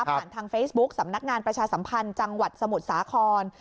ทางเฟซบุ๊กสำนักงานประชาสัมพันธ์จังหวัดสมุทรสาคร